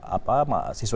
apa ma siswa indonesia